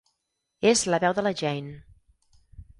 És la veu de la Jane.